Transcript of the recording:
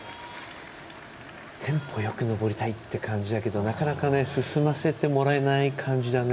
テンポよく登りたいって感じだけどなかなか進ませてもらえない感じだね。